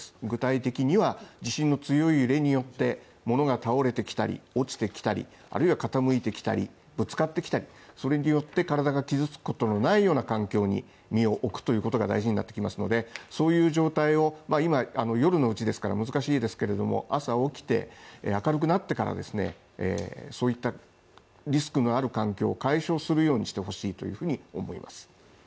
具体的には、地震の強い揺れによって物が倒れてきたり、落ちてきたり、あるいは傾いてきたり、ぶつかってきたり、それによって体が傷つくことのないような環境に身を置くということが大事になってきますので、そういう状態を今夜のうちですから難しいですが、朝起きて明るくなってからですね、そういったリスクのある環境を解消するようにしてほしいというふうに思います。